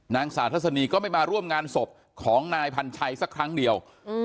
นางสาวทัศนีก็ไม่มาร่วมงานศพของนายพันชัยสักครั้งเดียว